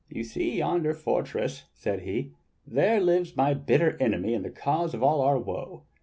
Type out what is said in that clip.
"You see yonder fortress.^^" said he. "There lives my bitter enemy and the cause of all our woe.